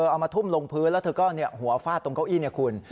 เอามาทุ่มลงพื้นแล้วเธอก็หัวฟาดตรงเก้าอี้เนี่ยคุณ